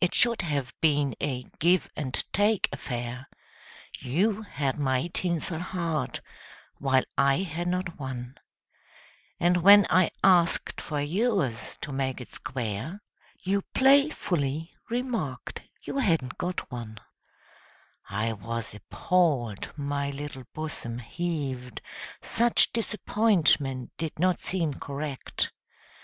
It should have been a give and take affair; You had my tinsel heart, while I had not one, And when I asked for yours, to make it square, You playfully remarked you hadn't got one. 26 A VALENTINE I was appalled my little bosom heaved Such disappointment did not seem correct.